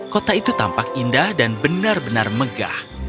kota itu tampak indah dan benar benar megah